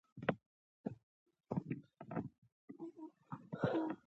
د بزګر اقتصاد د باران او حاصل ترمنځ اړیکه لري.